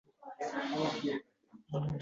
\Yashil makon\": ezgu amallar namoyishing"